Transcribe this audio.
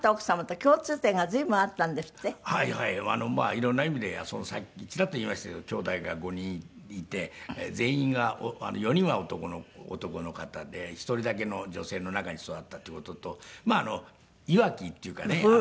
色んな意味でさっきチラッと言いましたけどきょうだいが５人いて全員が４人は男の方で１人だけ女性の中に育ったという事といわきっていうかね。